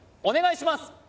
お願いします！